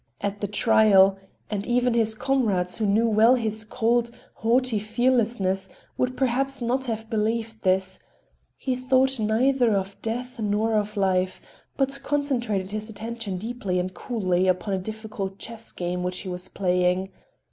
At the trial—and even his comrades who knew well his cold, haughty fearlessness would perhaps not have believed this,—he thought neither of death nor of life,—but concentrated his attention deeply and coolly upon a difficult chess game which he was playing.